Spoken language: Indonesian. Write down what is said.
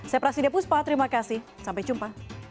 saya prasidya puspa terima kasih sampai jumpa